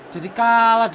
jadi kalah deh